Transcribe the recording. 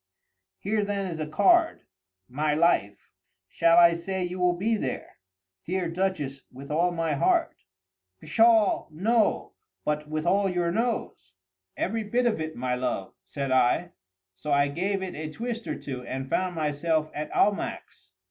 "Here then is a card, my life. Shall I say you will be there?" "Dear Duchess, with all my heart." "Pshaw, no!—but with all your nose?" "Every bit of it, my love," said I:—so I gave it a twist or two, and found myself at Almack's.